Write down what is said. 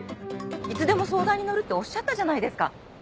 いつでも相談に乗るっておっしゃったじゃないですか。